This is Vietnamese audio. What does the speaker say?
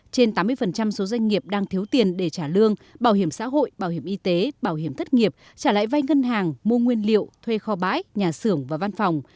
trên tám mươi số doanh nghiệp đang thiếu tiền để trả lương bảo hiểm xã hội bảo hiểm y tế bảo hiểm thất nghiệp trả lại vai ngân hàng mua nguyên liệu thuê kho bãi nhà xưởng và văn phòng